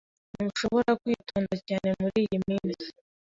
Ntushobora kwitonda cyane muriyi minsi.